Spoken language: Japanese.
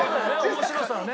面白さをね。